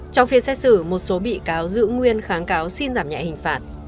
trong phiên xét xử một số bị cáo giữ nguyên kháng cáo xin giảm nhẹ hình phạt